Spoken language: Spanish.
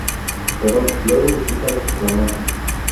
Perón luego visita a los reclamantes.